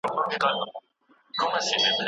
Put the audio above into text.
چې تر دې ورځې وړاندې